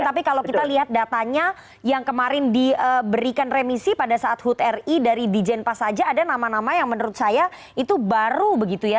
tapi kalau kita lihat datanya yang kemarin diberikan remisi pada saat hud ri dari di jenpas saja ada nama nama yang menurut saya itu baru begitu ya